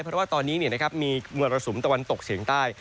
เพราะว่าตอนนี้มีมรสุมตะวันตกเฉียงใต้